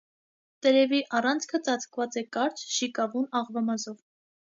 Տերևի առանցքը ծածկված է կարճ, շիկավուն աղվամազով։